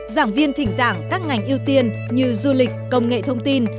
giảng viên thỉnh giảng các ngành ưu tiên như du lịch công nghệ thông tin